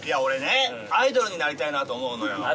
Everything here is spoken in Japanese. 俺ねアイドルになりたいなと思うのよ